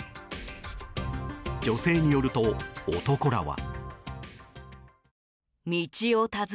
女性によると、男らは。